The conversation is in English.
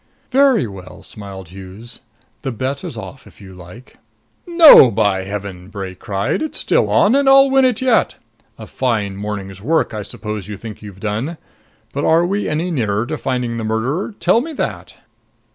"Very well," smiled Hughes. "The bet is off if you like." "No, by heaven!" Bray cried. "It's still on, and I'll win it yet. A fine morning's work I suppose you think you've done. But are we any nearer to finding the murderer? Tell me that."